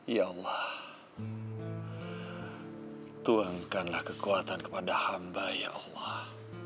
ya allah tuangkanlah kekuatan kepada hamba ya allah